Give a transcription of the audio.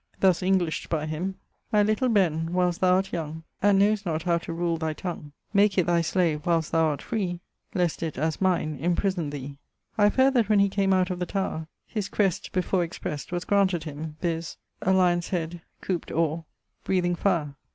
Thus Englished by him: My little Ben, whil'st thou art young, And know'st not how to rule thy tongue, Make it thy slave whil'st thou art free, Least it, as mine, imprison thee. I have heard that when he came out of the Tower, his crest (before expressed) was graunted him, viz., 'a lyon's head couped or, breathing fire.'